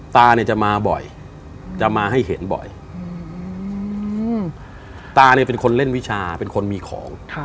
ตาเนี่ยจะมาบ่อยจะมาให้เห็นบ่อยตาเนี่ยเป็นคนเล่นวิชาเป็นคนมีของ